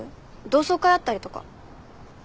同窓会あったりとか。